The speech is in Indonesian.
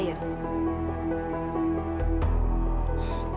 ketika kita berdua berdua kita tidak baik